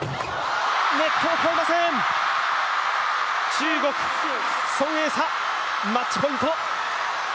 中国、孫エイ莎マッチポイント。